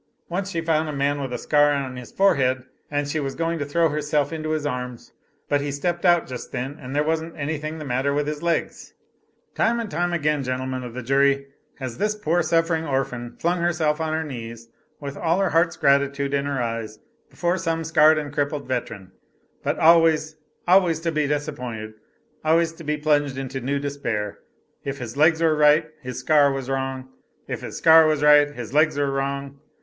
Once she found a man with a scar on his forehead and she was just going to throw herself into his arms, but he stepped out just then, and there wasn't anything the matter with his legs. Time and time again, gentlemen of the jury, has this poor suffering orphan flung herself on her knees with all her heart's gratitude in her eyes before some scarred and crippled veteran, but always, always to be disappointed, always to be plunged into new despair if his legs were right his scar was wrong, if his scar was right his legs were wrong.